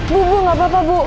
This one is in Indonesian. bu gak apa apa bu